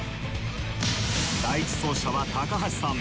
第１走者は高橋さん。